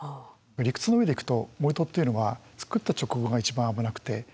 理屈の上でいくと盛り土っていうのはつくった直後が一番危なくて。